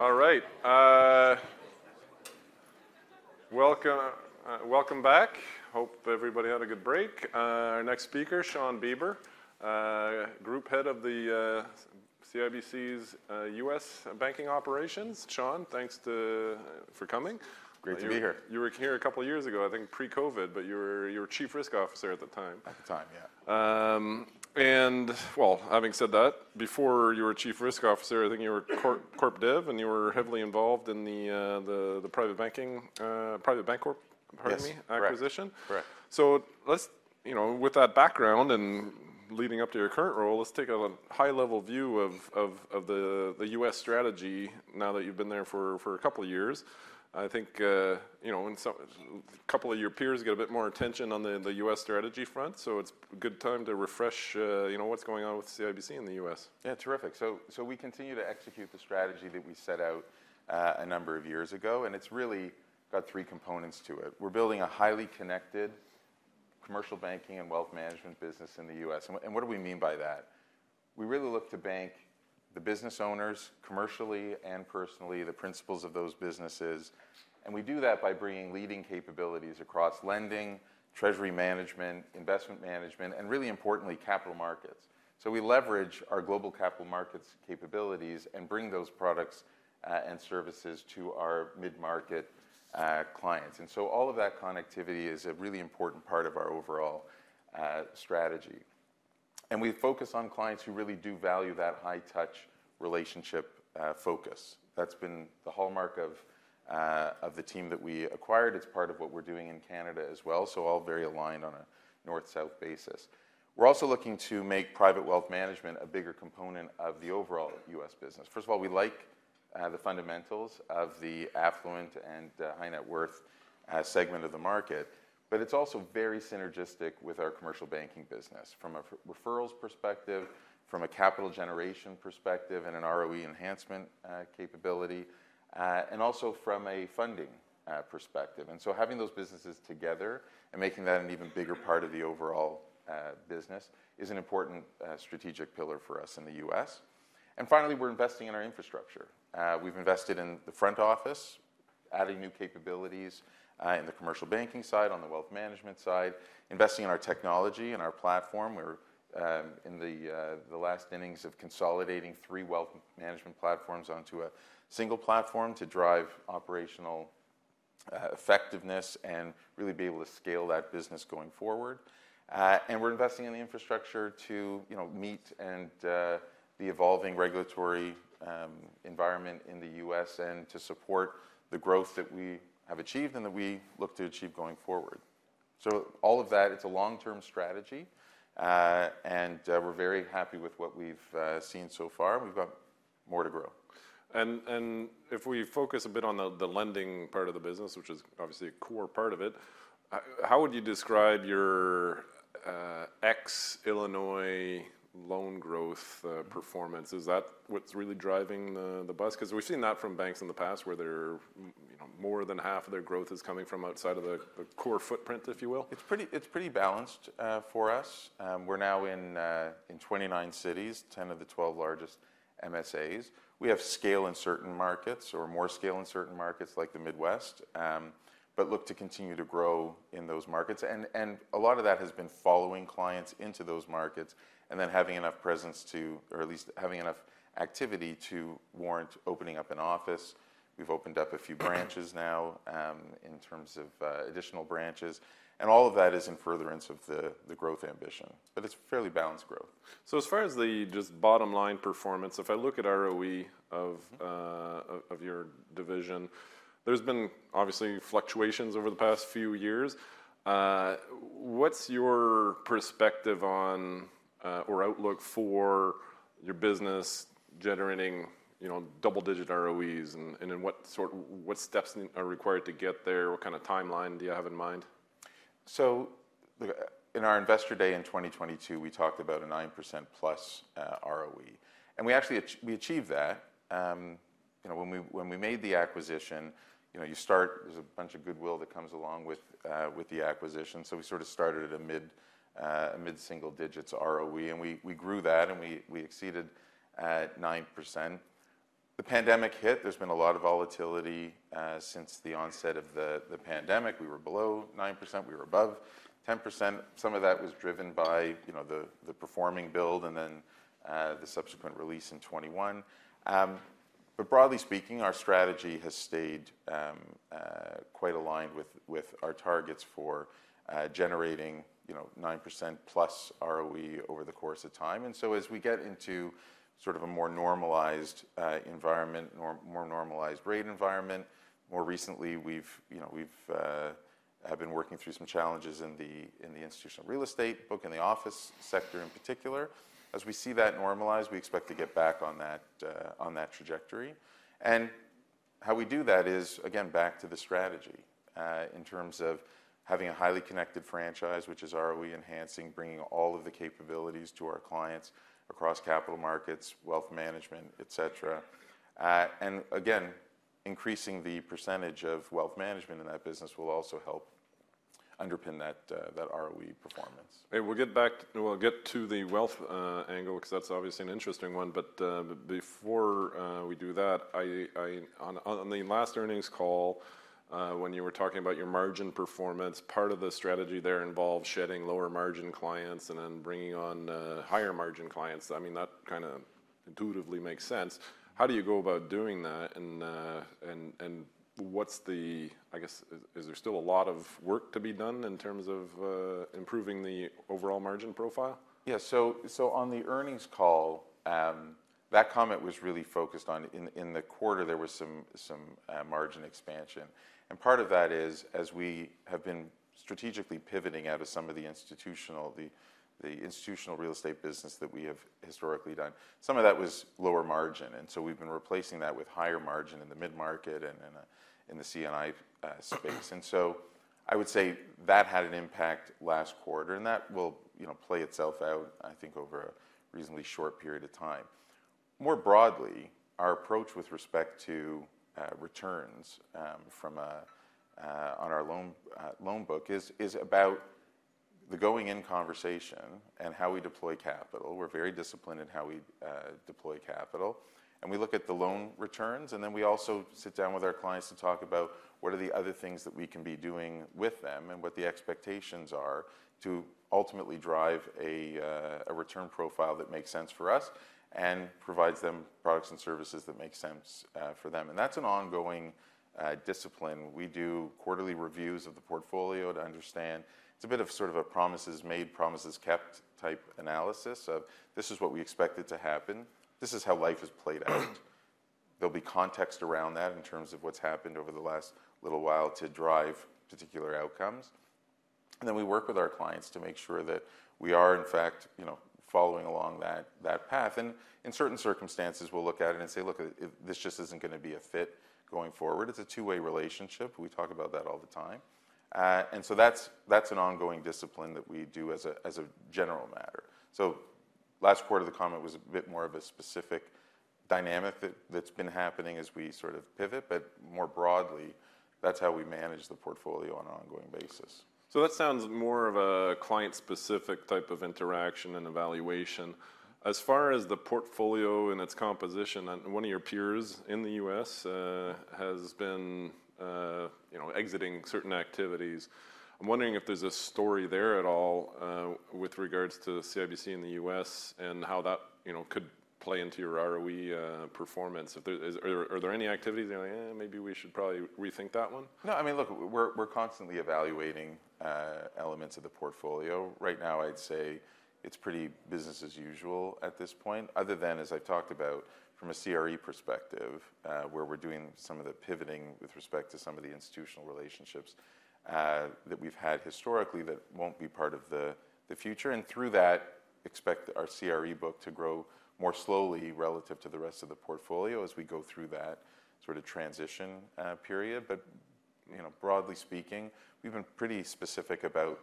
All right, welcome, welcome back. Hope everybody had a good break. Our next speaker, Shawn Beber, group head of the CIBC's U.S. banking operations. Shawn, thanks for coming. Great to be here. You were here a couple years ago, I think pre-COVID, but you were chief risk officer at the time. At the time, yeah. Well, having said that, before you were chief risk officer, I think you were corp dev, and you were heavily involved in the PrivateBank, PrivateBancorp, pardon me, acquisition. Yes, correct. Correct. So let's—you know, with that background and leading up to your current role, let's take a high-level view of the U.S. strategy now that you've been there for a couple years. I think, you know, in some couple of your peers get a bit more attention on the U.S. strategy front, so it's a good time to refresh, you know, what's going on with CIBC in the U.S. Yeah, terrific. So we continue to execute the strategy that we set out a number of years ago, and it's really got three components to it. We're building a highly connected commercial banking and wealth management business in the U.S. And what do we mean by that? We really look to bank the business owners, commercially and personally, the principals of those businesses, and we do that by bringing leading capabilities across lending, treasury management, investment management, and really importantly, capital markets. So we leverage our global capital markets capabilities and bring those products and services to our mid-market clients. And so all of that connectivity is a really important part of our overall strategy. And we focus on clients who really do value that high-touch relationship focus. That's been the hallmark of the team that we acquired. It's part of what we're doing in Canada as well, so all very aligned on a north-south basis. We're also looking to make private wealth management a bigger component of the overall U.S. business. First of all, we like the fundamentals of the affluent and high net worth segment of the market, but it's also very synergistic with our commercial banking business from a referrals perspective, from a capital generation perspective, and an ROE enhancement capability, and also from a funding perspective. And so having those businesses together and making that an even bigger part of the overall business is an important strategic pillar for us in the U.S. And finally, we're investing in our infrastructure. We've invested in the front office, adding new capabilities, in the commercial banking side, on the wealth management side, investing in our technology and our platform. We're in the last innings of consolidating three wealth management platforms onto a single platform to drive operational effectiveness and really be able to scale that business going forward. We're investing in the infrastructure to, you know, meet the evolving regulatory environment in the U.S. and to support the growth that we have achieved and that we look to achieve going forward. So all of that, it's a long-term strategy, and we're very happy with what we've seen so far, and we've got more to grow. And if we focus a bit on the lending part of the business, which is obviously a core part of it, how would you describe your ex-Illinois loan growth performance? Is that what's really driving the buzz? 'Cause we've seen that from banks in the past where they're, you know, more than half of their growth is coming from outside of the core footprint, if you will. It's pretty, it's pretty balanced, for us. We're now in 29 cities, 10 of the 12 largest MSAs. We have scale in certain markets or more scale in certain markets like the Midwest, but look to continue to grow in those markets. And a lot of that has been following clients into those markets and then having enough presence to, or at least having enough activity to warrant opening up an office. We've opened up a few branches now, in terms of additional branches, and all of that is in of the growth ambition. But it's fairly balanced growth. So as far as the just bottom-line performance, if I look at ROE of, of your division, there's been obviously fluctuations over the past few years. What's your perspective on, or outlook for your business generating, you know, double-digit ROEs, and, and what sort what steps are required to get there? What kind of timeline do you have in mind? So look, in our investor day in 2022, we talked about a 9%-plus ROE. And we actually achieved that. You know, when we made the acquisition, you know, you start; there's a bunch of goodwill that comes along with the acquisition. So we sort of started at a mid-single-digits ROE, and we grew that, and we exceeded 9%. The pandemic hit. There's been a lot of volatility since the onset of the pandemic. We were below 9%. We were above 10%. Some of that was driven by, you know, the performing build and then the subsequent release in 2021. But broadly speaking, our strategy has stayed quite aligned with our targets for generating, you know, 9%-plus ROE over the course of time. So as we get into sort of a more normalized environment, more normalized rate environment, more recently, we've, you know, been working through some challenges in the institutional real estate book and the office sector in particular. As we see that normalize, we expect to get back on that trajectory. How we do that is, again, back to the strategy, in terms of having a highly connected franchise, which is ROE enhancing, bringing all of the capabilities to our clients across capital markets, wealth management, etc., and again, increasing the percentage of wealth management in that business will also help underpin that ROE performance. Hey, we'll get back to the wealth angle 'cause that's obviously an interesting one. But before we do that, I on the last earnings call, when you were talking about your margin performance, part of the strategy there involves shedding lower-margin clients and then bringing on higher-margin clients. I mean, that kind of intuitively makes sense. How do you go about doing that? And what's the, I guess, is there still a lot of work to be done in terms of improving the overall margin profile? Yeah, so on the earnings call, that comment was really focused on in the quarter, there was some margin expansion. And part of that is, as we have been strategically pivoting out of some of the institutional real estate business that we have historically done, some of that was lower margin. And so we've been replacing that with higher margin in the mid-market and in the C&I space. And so I would say that had an impact last quarter, and that will, you know, play itself out, I think, over a reasonably short period of time. More broadly, our approach with respect to returns from a on our loan book is about the going-in conversation and how we deploy capital. We're very disciplined in how we deploy capital. We look at the loan returns, and then we also sit down with our clients to talk about what are the other things that we can be doing with them and what the expectations are to ultimately drive a, a return profile that makes sense for us and provides them products and services that make sense for them. That's an ongoing discipline. We do quarterly reviews of the portfolio to understand it's a bit of sort of a promises made, promises kept type analysis of, "This is what we expected to happen. This is how life has played out." There'll be context around that in terms of what's happened over the last little while to drive particular outcomes. Then we work with our clients to make sure that we are, in fact, you know, following along that, that path. In certain circumstances, we'll look at it and say, "Look, this just isn't gonna be a fit going forward." It's a two-way relationship. We talk about that all the time. So that's an ongoing discipline that we do as a general matter. So last quarter, the comment was a bit more of a specific dynamic that's been happening as we sort of pivot, but more broadly, that's how we manage the portfolio on an ongoing basis. So that sounds more of a client-specific type of interaction and evaluation. As far as the portfolio and its composition, one of your peers in the U.S. has been, you know, exiting certain activities. I'm wondering if there's a story there at all, with regards to CIBC in the U.S. and how that, you know, could play into your ROE performance. If there are any activities you're like, maybe we should probably rethink that one? No, I mean, look, we're constantly evaluating elements of the portfolio. Right now, I'd say it's pretty business as usual at this point, other than, as I've talked about, from a CRE perspective, where we're doing some of the pivoting with respect to some of the institutional relationships that we've had historically that won't be part of the future. And through that, expect our CRE book to grow more slowly relative to the rest of the portfolio as we go through that sort of transition period. But, you know, broadly speaking, we've been pretty specific about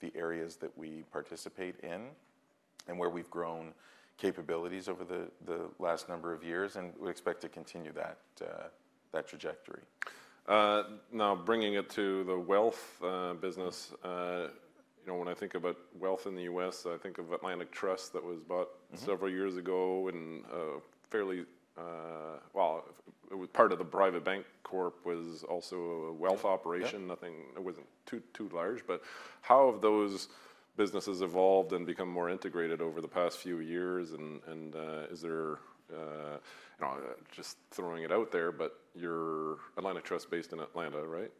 the areas that we participate in and where we've grown capabilities over the last number of years, and we expect to continue that trajectory. Now, bringing it to the wealth business, you know, when I think about wealth in the U.S., I think of Atlantic Trust that was bought several years ago and, fairly, well, it was part of the PrivateBancorp, was also a wealth operation. Nothing, it wasn't too, too large. But how have those businesses evolved and become more integrated over the past few years? And, and, is there, you know, just throwing it out there, but your Atlantic Trust based in Atlanta, right?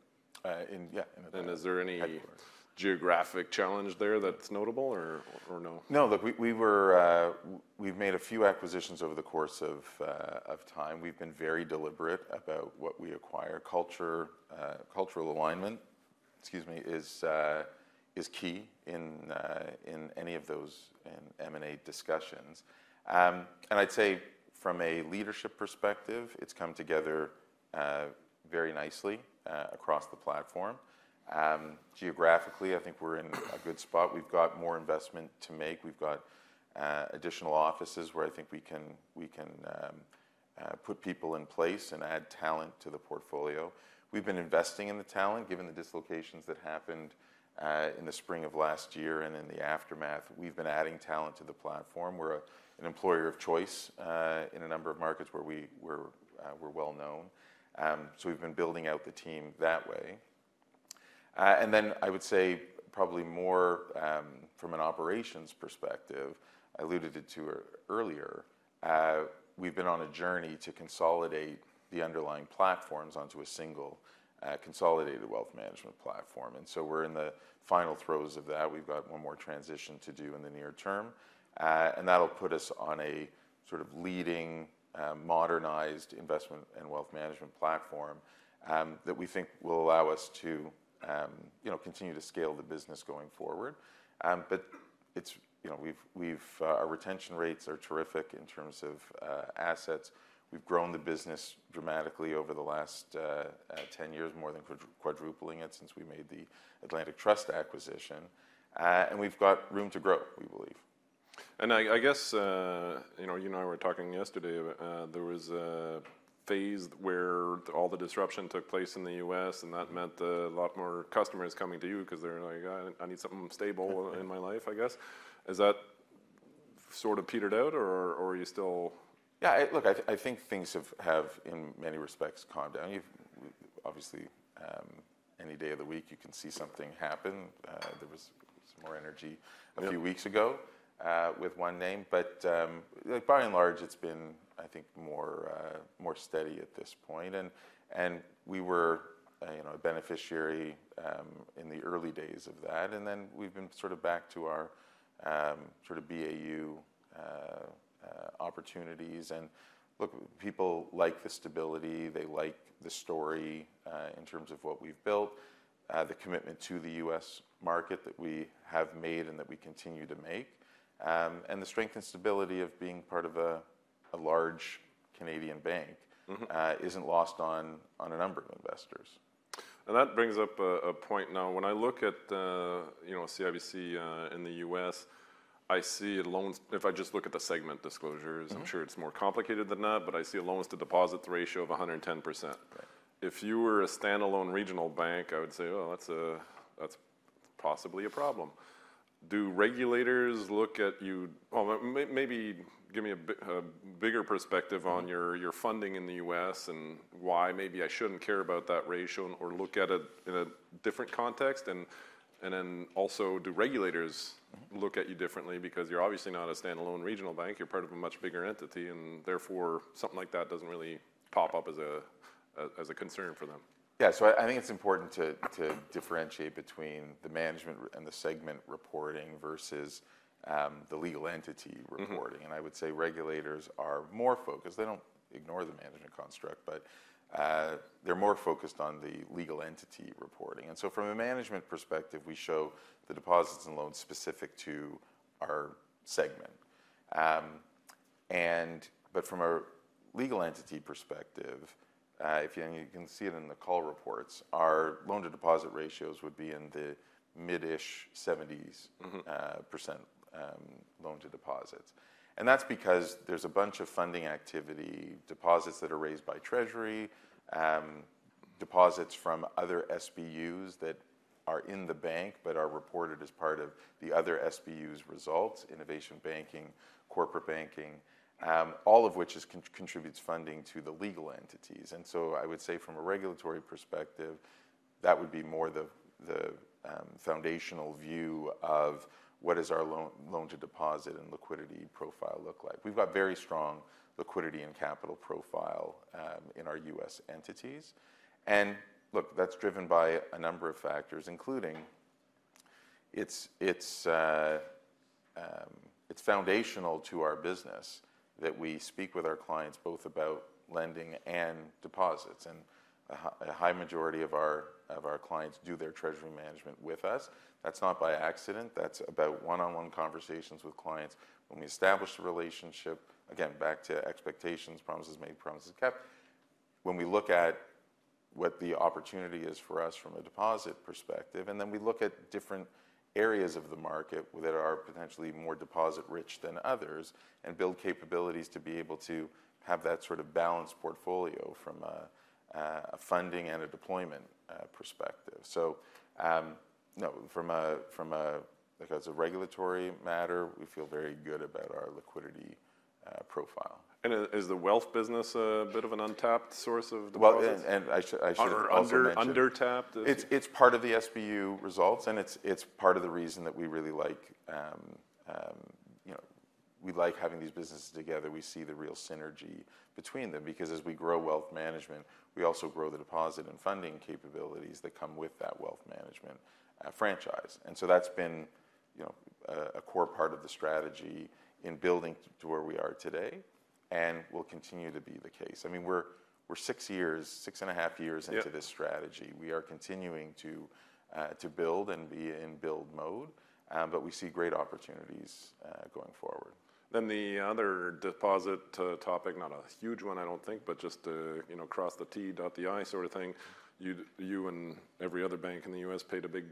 in, yeah, in Atlanta. Is there any geographic challenge there that's notable, or no? No, look, we've made a few acquisitions over the course of time. We've been very deliberate about what we acquire. Cultural alignment, excuse me, is key in any of those M&A discussions. I'd say from a leadership perspective, it's come together very nicely across the platform. Geographically, I think we're in a good spot. We've got more investment to make. We've got additional offices where I think we can put people in place and add talent to the portfolio. We've been investing in the talent. Given the dislocations that happened in the spring of last year and in the aftermath, we've been adding talent to the platform. We're an employer of choice in a number of markets where we're well-known. So we've been building out the team that way. Then I would say probably more, from an operations perspective I alluded it to earlier, we've been on a journey to consolidate the underlying platforms onto a single, consolidated wealth management platform. And so we're in the final throes of that. We've got one more transition to do in the near term. And that'll put us on a sort of leading, modernized investment and wealth management platform, that we think will allow us to, you know, continue to scale the business going forward. But it's you know, we've, we've our retention rates are terrific in terms of, assets. We've grown the business dramatically over the last 10 years, more than quadrupling it since we made the Atlantic Trust acquisition. And we've got room to grow, we believe. I guess, you know, you and I were talking yesterday, there was a phase where all the disruption took place in the U.S., and that meant a lot more customers coming to you 'cause they're like, "I need something stable in my life," I guess. Has that sort of petered out, or are you still? Yeah, look, I, I think things have, have in many respects calmed down. You've obviously, any day of the week, you can see something happen. There was some more energy a few weeks ago, with one name. But, like, by and large, it's been, I think, more, more steady at this point. And, and we were, you know, a beneficiary, in the early days of that. And then we've been sort of back to our, sort of BAU, opportunities. And look, people like the stability. They like the story, in terms of what we've built, the commitment to the U.S. market that we have made and that we continue to make, and the strength and stability of being part of a, a large Canadian bank, isn't lost on, on a number of investors. That brings up a point. Now, when I look at, you know, CIBC in the U.S., I see loans if I just look at the segment disclosures. I'm sure it's more complicated than that, but I see a loan-to-deposit ratio of 110%. Right. If you were a standalone regional bank, I would say, "Oh, that's possibly a problem." Do regulators look at you? Well, maybe give me a bigger perspective on your funding in the U.S. and why maybe I shouldn't care about that ratio or look at it in a different context. And then also, do regulators look at you differently? Because you're obviously not a standalone regional bank. You're part of a much bigger entity, and therefore, something like that doesn't really pop up as a concern for them. Yeah, so I, I think it's important to, to differentiate between the management and the segment reporting versus the legal entity reporting. And I would say regulators are more focused, they don't ignore the management construct, but they're more focused on the legal entity reporting. And so from a management perspective, we show the deposits and loans specific to our segment. But from a legal entity perspective, if you can see it in the Call Reports, our loan-to-deposit ratios would be in the mid-ish 70s% loan-to-deposits. And that's because there's a bunch of funding activity, deposits that are raised by Treasury, deposits from other SBUs that are in the bank but are reported as part of the other SBUs' results, Innovation Banking, corporate banking, all of which contributes funding to the legal entities. I would say from a regulatory perspective, that would be more the foundational view of what does our loan-to-deposit and liquidity profile look like. We've got very strong liquidity and capital profile in our U.S. entities. Look, that's driven by a number of factors, including it's foundational to our business that we speak with our clients both about lending and deposits. A high majority of our clients do their Innovation Banking with us. That's not by accident. That's about one-on-one conversations with clients. When we establish a relationship again, back to expectations, promises made, promises kept when we look at what the opportunity is for us from a deposit perspective, and then we look at different areas of the market that are potentially more deposit-rich than others and build capabilities to be able to have that sort of balanced portfolio from a funding and a deployment perspective. So, no, from a because of regulatory matter, we feel very good about our liquidity profile. Is the wealth business a bit of an untapped source of deposits? Well, and I should also mention. Are there undertapped? It's part of the SBU results, and it's part of the reason that we really like, you know, we like having these businesses together. We see the real synergy between them because as we grow wealth management, we also grow the deposit and funding capabilities that come with that wealth management franchise. And so that's been, you know, a core part of the strategy in building to where we are today and will continue to be the case. I mean, we're six and a half years into this strategy. We are continuing to build and be in build mode, but we see great opportunities going forward. Then the other deposit topic not a huge one, I don't think, but just to, you know, cross the T, dot the I sort of thing, you and every other bank in the U.S. paid a big,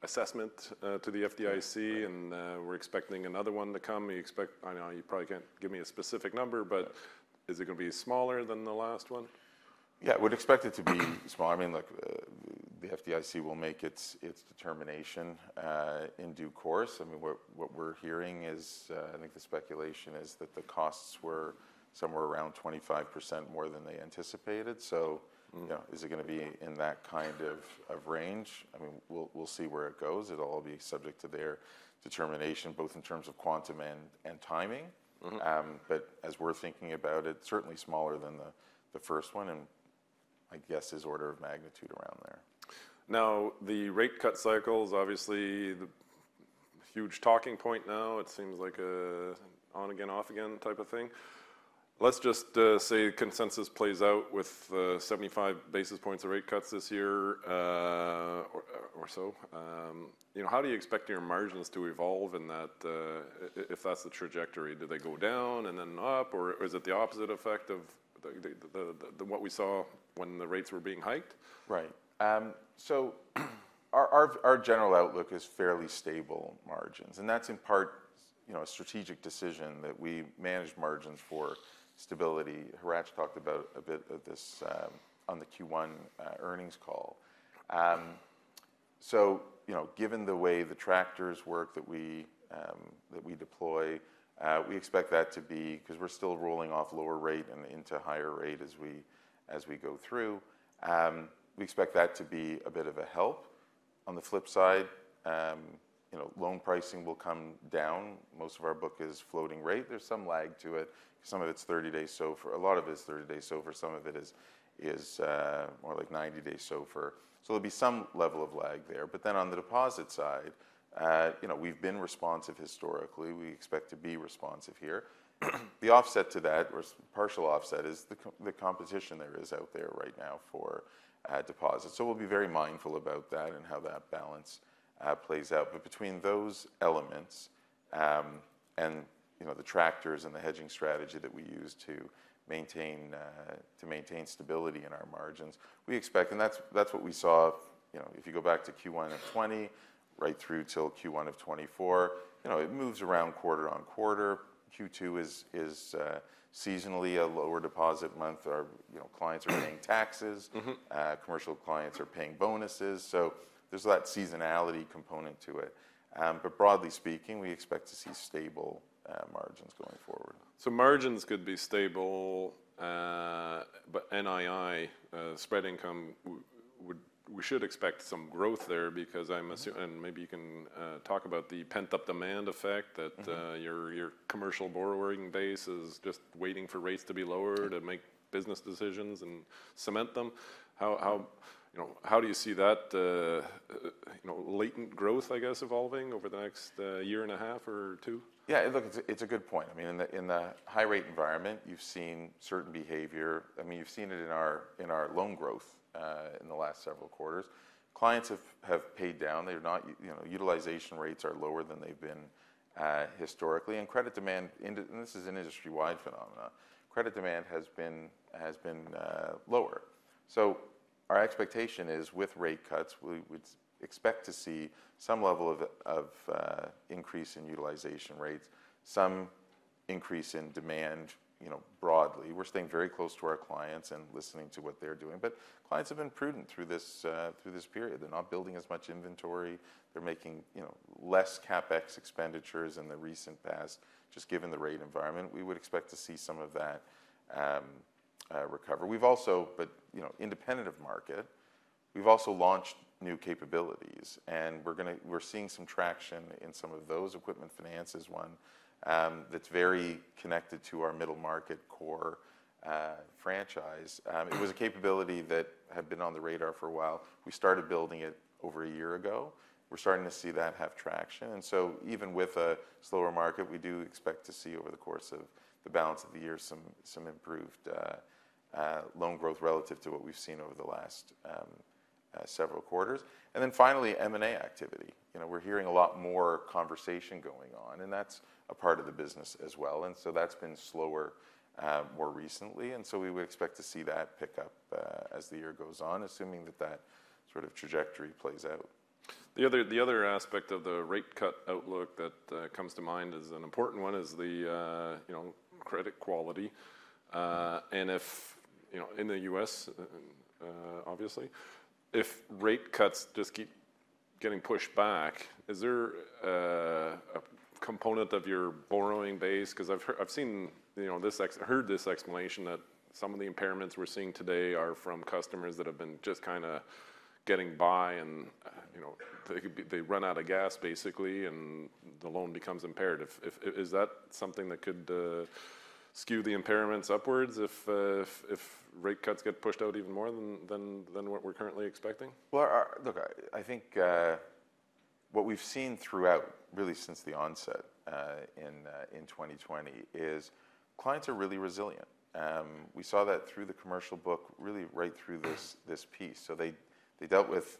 well, assessment, to the FDIC, and we're expecting another one to come. You expect? I know you probably can't give me a specific number, but is it gonna be smaller than the last one? Yeah, I would expect it to be smaller. I mean, look, the FDIC will make its determination, in due course. I mean, what, what we're hearing is, I think the speculation is that the costs were somewhere around 25% more than they anticipated. So, you know, is it gonna be in that kind of, of range? I mean, we'll, we'll see where it goes. It'll all be subject to their determination, both in terms of quantum and, and timing. But as we're thinking about it, certainly smaller than the, the first one and, I guess, is order of magnitude around there. Now, the rate cut cycle is obviously the huge talking point now. It seems like an on-again, off-again type of thing. Let's just say consensus plays out with 75 basis points of rate cuts this year, or so. You know, how do you expect your margins to evolve in that, if that's the trajectory? Do they go down and then up, or is it the opposite effect of the what we saw when the rates were being hiked? Right. Our general outlook is fairly stable margins, and that's in part, you know, a strategic decision that we manage margins for stability. Hratch talked about a bit of this on the Q1 earnings call. You know, given the way the tractors work that we deploy, we expect that to be 'cause we're still rolling off lower rate and into higher rate as we go through. We expect that to be a bit of a help. On the flip side, you know, loan pricing will come down. Most of our book is floating rate. There's some lag to it. Some of it's 30 days SOFR. A lot of it is 30 days SOFR. Some of it is more like 90 days SOFR. So there'll be some level of lag there. But then on the deposit side, you know, we've been responsive historically. We expect to be responsive here. The offset to that or partial offset is the competition there is out there right now for deposits. So we'll be very mindful about that and how that balance plays out. But between those elements, and, you know, the tractors and the hedging strategy that we use to maintain stability in our margins, we expect and that's what we saw, you know, if you go back to Q1 of 2020, right through till Q1 of 2024, you know, it moves around quarter-over-quarter. Q2 is seasonally a lower deposit month. Our, you know, clients are paying taxes. Commercial clients are paying bonuses. So there's that seasonality component to it. But broadly speaking, we expect to see stable margins going forward. So margins could be stable, but NII spread income would we should expect some growth there because I'm assuming and maybe you can talk about the pent-up demand effect that your commercial borrowing base is just waiting for rates to be lower to make business decisions and cement them. How you know how do you see that you know latent growth I guess evolving over the next year and a half or two? Yeah, look, it's a good point. I mean, in the high-rate environment, you've seen certain behavior. I mean, you've seen it in our loan growth, in the last several quarters. Clients have paid down. They're not, you know, utilization rates are lower than they've been, historically. And credit demand and this is an industry-wide phenomenon. Credit demand has been lower. So our expectation is with rate cuts, we would expect to see some level of increase in utilization rates, some increase in demand, you know, broadly. We're staying very close to our clients and listening to what they're doing. But clients have been prudent through this period. They're not building as much inventory. They're making, you know, less CapEx expenditures in the recent past just given the rate environment. We would expect to see some of that recover. We've also, but, you know, independent of market, we've also launched new capabilities, and we're gonna see some traction in some of those. Equipment Finance is one, that's very connected to our middle-market core franchise. It was a capability that had been on the radar for a while. We started building it over a year ago. We're starting to see that have traction. And so even with a slower market, we do expect to see over the course of the balance of the year some improved loan growth relative to what we've seen over the last several quarters. And then finally, M&A activity. You know, we're hearing a lot more conversation going on, and that's a part of the business as well. And so that's been slower, more recently. We would expect to see that pick up, as the year goes on, assuming that that sort of trajectory plays out. The other aspect of the rate cut outlook that comes to mind as an important one is, you know, the credit quality. And if, you know, in the U.S., obviously, if rate cuts just keep getting pushed back, is there a component of your borrowing base? 'Cause I've heard, I've seen, you know, this explanation that some of the impairments we're seeing today are from customers that have been just kinda getting by and, you know, they run out of gas, basically, and the loan becomes impaired. Is that something that could skew the impairments upwards if rate cuts get pushed out even more than what we're currently expecting? Well, look, I think what we've seen throughout, really, since the onset in 2020 is clients are really resilient. We saw that through the commercial book, really, right through this piece. So they dealt with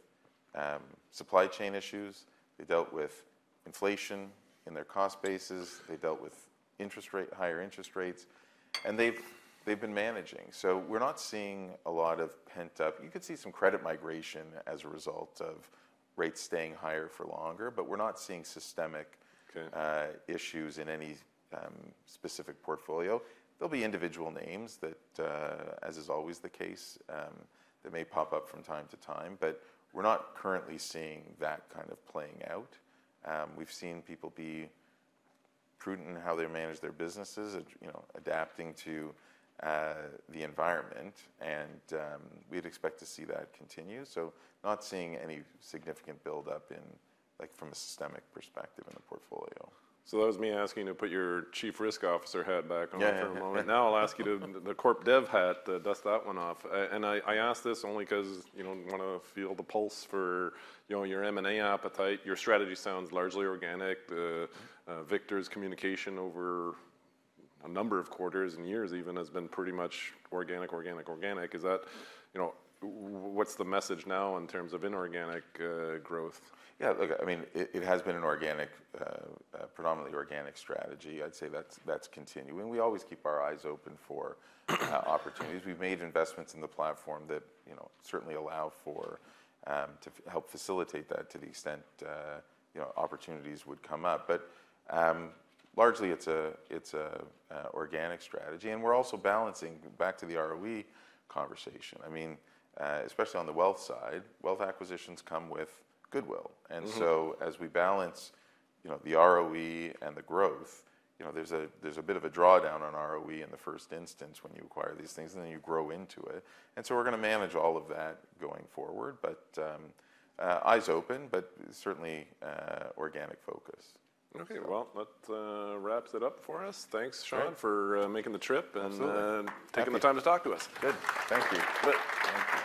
supply chain issues. They dealt with inflation in their cost bases. They dealt with higher interest rates. And they've been managing. So we're not seeing a lot of pent-up, you could see some credit migration as a result of rates staying higher for longer, but we're not seeing systemic issues in any specific portfolio. There'll be individual names that, as is always the case, may pop up from time to time, but we're not currently seeing that kind of playing out. We've seen people be prudent in how they manage their businesses, you know, adapting to the environment. And we'd expect to see that continue. So not seeing any significant buildup in, like, from a systemic perspective in the portfolio. So that was me asking you to put your chief risk officer hat back on for a moment. Now I'll ask you to the corp dev hat, dust that one off. And I, I ask this only 'cause, you know, wanna feel the pulse for, you know, your M&A appetite. Your strategy sounds largely organic. The, Victor's communication over a number of quarters and years even has been pretty much organic, organic, organic. Is that you know, what's the message now in terms of inorganic, growth? Yeah, look, I mean, it has been an organic, predominantly organic strategy. I'd say that's continuing. We always keep our eyes open for opportunities. We've made investments in the platform that, you know, certainly allow for to help facilitate that to the extent, you know, opportunities would come up. But largely, it's an organic strategy. And we're also balancing back to the ROE conversation. I mean, especially on the wealth side, wealth acquisitions come with goodwill. And so as we balance, you know, the ROE and the growth, you know, there's a bit of a drawdown on ROE in the first instance when you acquire these things, and then you grow into it. And so we're gonna manage all of that going forward, but eyes open, but certainly organic focus. Okay. Well, that wraps it up for us. Thanks, Shawn, for making the trip and taking the time to talk to us. Absolutely. Good. Thank you. Good. Thank you.